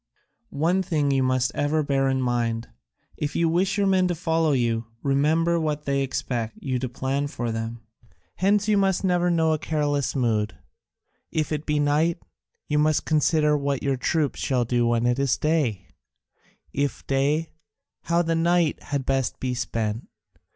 One thing you must ever bear in mind: if you wish your men to follow you, remember that they expect you to plan for them. Hence you must never know a careless mood; if it be night, you must consider what your troops shall do when it is day; if day, how the night had best be spent.